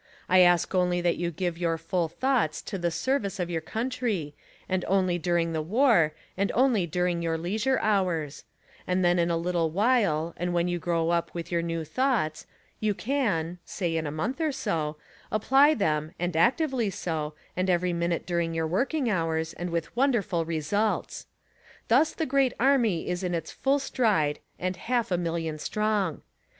I ask only that you give your full thoughts to the service of your country and only during the war, and only during your leisure hours; and then in a little while and when you grow up with your new thoughts, you can — say, in a month or so — apply them and actively so, and every minute during your working hours and with wonderful results. Thus the great army is in its full stride and "half a million strong!"